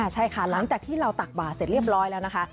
ใช่ค่ะหลังจากที่เราตักบาดเสร็จเรียบร้อยแล้วนะคะ